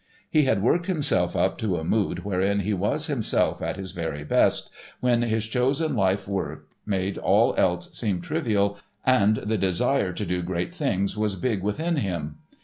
He had worked himself up to a mood wherein he was himself at his very best, when his chosen life work made all else seem trivial and the desire to do great things was big within him.